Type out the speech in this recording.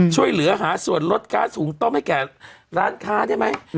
ช่วยเหลือหาส่วนลดค่าสูงต้มให้แก่ร้านค้าได้ไหม